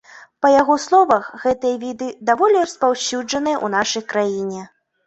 Па яго словах, гэтыя віды даволі распаўсюджаныя ў нашай краіне.